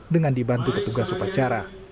dengan dibantu ketugas upacara